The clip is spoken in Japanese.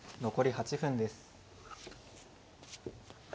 残り８分です。